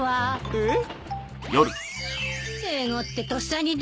えっ？